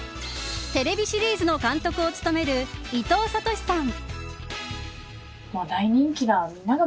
テレビシリーズの監督を務める伊藤聡伺さん。